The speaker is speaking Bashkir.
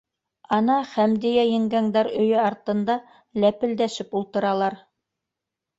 Ана Хәмдиә еңгәңдәр өйө артында ләпелдәшеп ултыралар.